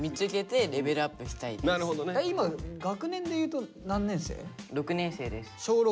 今学年で言うと何年生？小６。